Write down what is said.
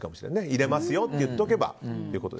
入れますよって言っておけばと。